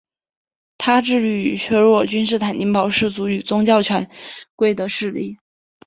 他致力于削弱君士坦丁堡世俗与宗教权贵的势力。